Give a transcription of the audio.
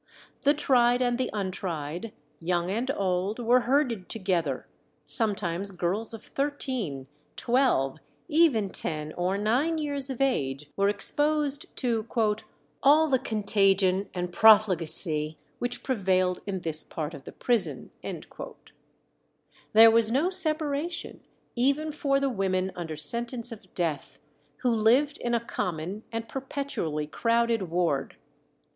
The tried and the untried, young and old, were herded together; sometimes girls of thirteen, twelve, even ten or nine years of age, were exposed to "all the contagion and profligacy which prevailed in this part of the prison." There was no separation even for the women under sentence of death, who lived in a common and perpetually crowded ward.